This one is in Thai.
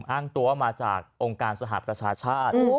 อ้างตัวมาจากองค์การสหประชาชาติ